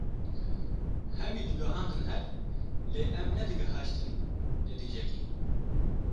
hemî digihandin hev lê em ne digihaştin netîcekê.